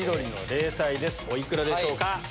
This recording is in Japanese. お幾らでしょうか？